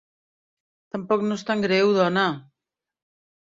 Tampoc no és tan greu, dona!